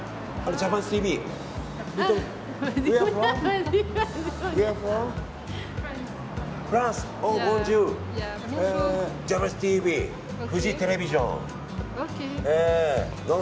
ジャパニーズＴＶフジテレビジョン。